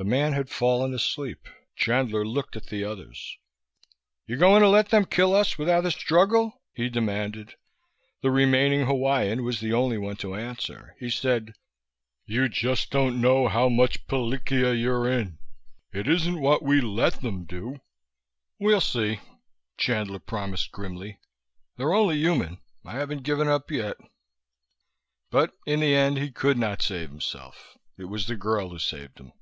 The man had fallen asleep. Chandler looked at the others. "You going to let them kill us without a struggle?" he demanded. The remaining Hawaiian was the only one to answer. He said, "You just don't know how much pilikia you're in. It isn't what we let them do." "We'll see," Chandler promised grimly. "They're only human. I haven't given up yet." But in the end he could not save himself; it was the girl who saved him.